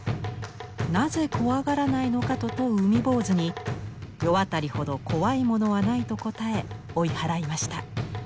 「なぜ怖がらないのか」と問う海坊主に「世渡りほど怖いものはない」と答え追い払いました。